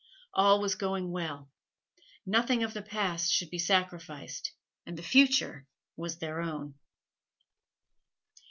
All was going well. Nothing of the past should be sacrificed, and the future was their own.